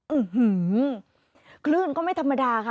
ื้อหือคลื่นก็ไม่ธรรมดาค่ะ